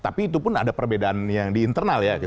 tapi itu pun ada perbedaan yang di internal ya